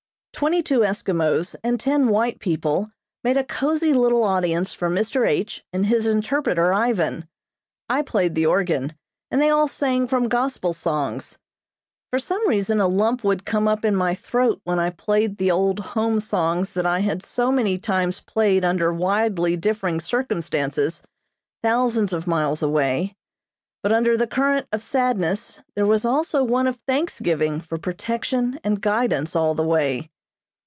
Twenty two Eskimos and ten white people made a cozy little audience for Mr. H. and his interpreter, Ivan. I played the organ, and they all sang from Gospel songs. For some reason a lump would come up in my throat when I played the old home songs that I had so many times played under widely differing circumstances, thousands of miles away; but under the current of sadness there was one also of thanksgiving for protection and guidance all the way.